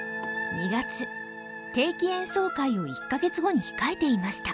定期演奏会を１か月後に控えていました。